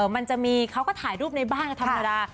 มันจะมีเขาก็ถ่ายรูปในบ้านกันธรรมดา